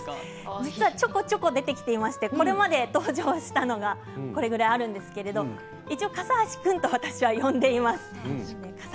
実はちょこちょこ出てきていてこれまで登場したのがこれくらいあるんですけれど一応、カサアシ君と私は呼んでいます。